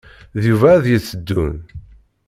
D Yuba ay d-yetteddun.